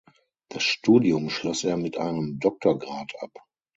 Das Studium schloss er mit einem Doktorgrad ab.